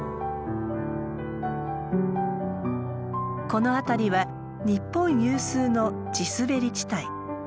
この辺りは日本有数の地すべり地帯。